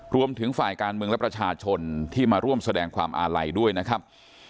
รวมถึงฝ่ายการเมืองและประชาชนที่มาร่วมแสดงความอาลัยด้วยนะครับ